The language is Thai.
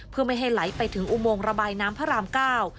เพื่อไม่ให้ไหลไปถึงอุโมงระบายน้ำพระรามเก้า